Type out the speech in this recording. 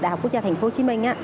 đại học quốc gia tp hcm